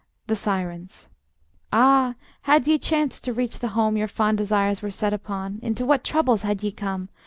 The Sirens: Ah, had ye chanced to reach the home Your fond desires were set upon, Into what troubles had ye come!